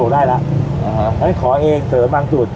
ก็ได้ล่ะขอเองเสริมบางจุด